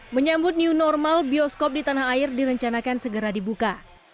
menyambut new normal bioskop di tanah air direncanakan segera dibuka